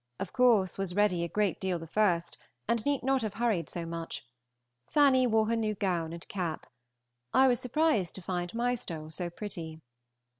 Of course was ready a good deal the first, and need not have hurried so much. Fanny wore her new gown and cap. I was surprised to find Mystole so pretty.